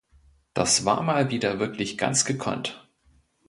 Das war mal wieder wirklich ganz gekonnt!